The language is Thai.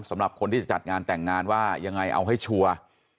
สำหรับคนที่จะจัดงานแต่งงานว่ายังไงเอาให้ชัวร์